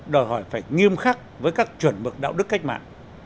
đòi hỏi phải nghiêm khắc với các chuẩn mực đạo đức cách mạng